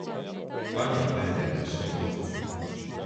Paņem pēdējo somu.